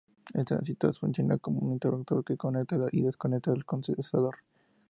El transistor funciona como un interruptor que conecta y desconecta al condensador.